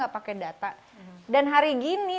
pakai data dan hari gini